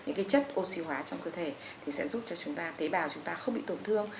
những cái chất oxy hóa trong cơ thể thì sẽ giúp cho chúng ta tế bào chúng ta không bị tổn thương